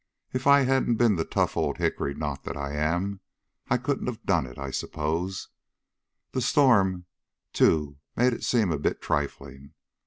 "If I hadn't been the tough old hickory knot that I am, I couldn't have done it, I suppose. The storm, too, made it seem a bit trifling.